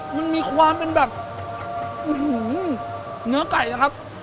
มันมีความเป็นแบบ